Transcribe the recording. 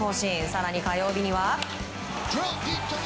更に、火曜日には。